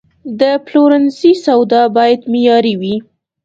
د پلورنځي سودا باید معیاري وي.